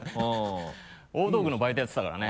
大道具のバイトやってたからね。